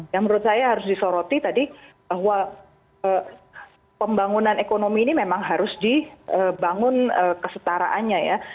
yang menurut saya harus disoroti tadi bahwa pembangunan ekonomi ini memang harus dibangun kesetaraannya ya